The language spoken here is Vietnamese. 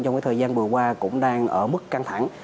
trong thời gian vừa qua cũng đang ở mức căng thẳng